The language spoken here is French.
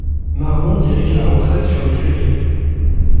Marmont dirige la retraite sur les Tuileries.